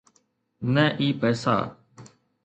نه ئي پئسا.